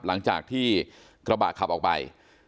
หลังจากที่กระบะขับออกไป